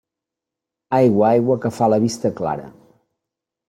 Aigua, aigua, que fa la vista clara.